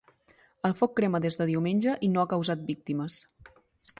El foc crema des de diumenge i no ha causat víctimes.